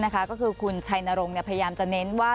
ก็คือคุณชัยนรงค์พยายามจะเน้นว่า